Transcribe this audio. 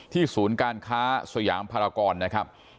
ศูนย์การค้าสยามภารกรนะครับ